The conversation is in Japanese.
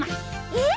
えっ？